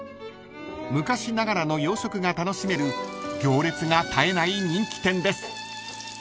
［昔ながらの洋食が楽しめる行列が絶えない人気店です］